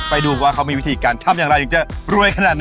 ไปดูว่าเขามีวิธีการทำอย่างไรถึงจะรวยขนาดไหน